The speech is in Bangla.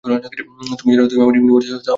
তুমি জানো, তুমি আমার ইউনিভার্সেও আমাকে ঘৃণা করতে।